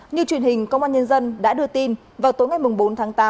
như truyền hình công an nhân dân đã đưa tin vào tối ngày bốn tháng tám